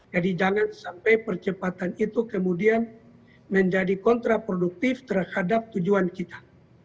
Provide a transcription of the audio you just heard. jadi jangan sampai percepatan itu kemudian menjadi kontraproduktif terhadap tujuan kita